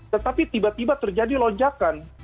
tetapi tiba tiba terjadi lonjakan